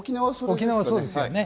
沖縄はそうですよね。